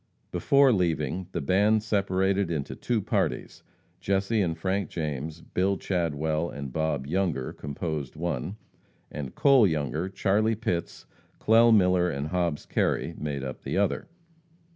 Before leaving, the band separated into two parties, Jesse and Frank James, Bill Chadwell and Bob Younger, composed one, and Cole Younger, Charlie Pitts, Clell Miller and Hobbs Kerry, made up the other.